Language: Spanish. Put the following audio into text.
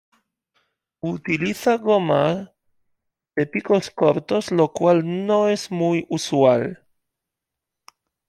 Utiliza gomas de picos cortos, lo cual no es muy usual.